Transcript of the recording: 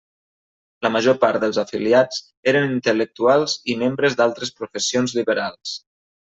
La major part dels afiliats eren intel·lectuals i membres d'altres professions liberals.